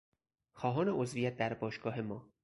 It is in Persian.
خواهان عضویت در باشگاه ما